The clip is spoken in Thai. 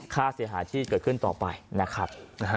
ค่าเสียหายที่เกิดขึ้นต่อไปนะครับ